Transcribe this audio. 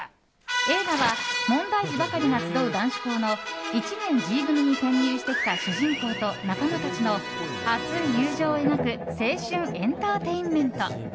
映画は問題児ばかりが集う男子校の１年Ｇ組に転入してきた主人公と仲間たちの熱い友情を描く青春エンターテインメント。